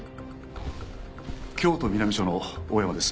京都南署の大山です。